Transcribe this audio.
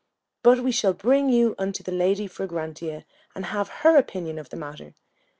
But we shall bring you unto the Lady Fragrantia, and have her opinion of the matter.